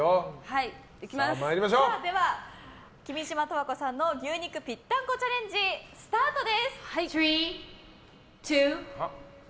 では、君島十和子さんの牛肉ぴったんこチャレンジスタートです。